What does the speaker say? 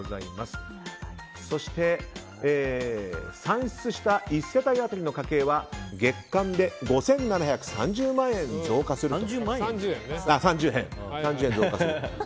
そして、算出した１世帯当たりの家計は月間で５７３０円に増加すると。